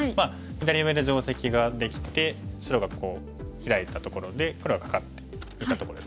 左上で定石ができて白がヒラいたところで黒がカカって打ったところですね。